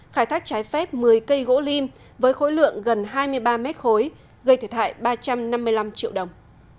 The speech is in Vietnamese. khai thác trái phép một mươi cây gỗ lim với khối lượng gần hai mươi ba mét khối gây thể thại ba trăm năm mươi năm triệu đồng